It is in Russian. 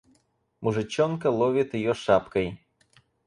Мужичонка ловит её шапкой.